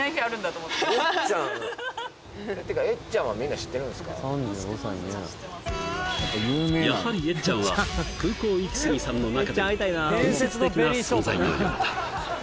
えっちゃんやはりえっちゃんは空港イキスギさんの中でも伝説的な存在なのだった